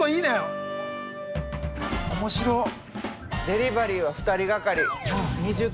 デリバリーは２人がかり。